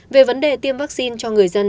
về vấn đề tiêm vaccine cho người dân